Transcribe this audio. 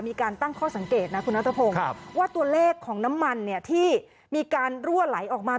มีการตั้งข้อสังเกตนะคุณนัทพงศ์ว่าตัวเลขของน้ำมันเนี่ยที่มีการรั่วไหลออกมา